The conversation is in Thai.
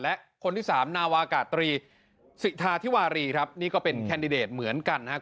และคนที่สามนาวากาตรีสิทธาธิวารีครับนี่ก็เป็นแคนดิเดตเหมือนกันนะครับ